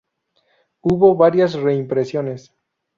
Hubo varias reimpresiones.